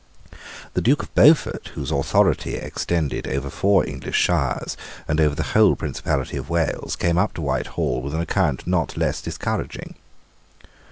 The Duke of Beaufort, whose authority extended over four English shires and over the whole principality of Wales, came up to Whitehall with an account not less discouraging.